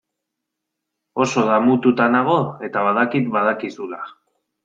Oso damututa nago eta badakit badakizula.